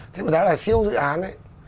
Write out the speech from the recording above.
thế mà đã là siêu dự án